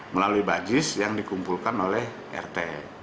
melalui bajis yang dikumpulkan oleh rt